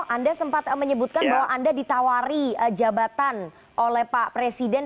anda sempat menyebutkan bahwa anda ditawari jabatan oleh pak presiden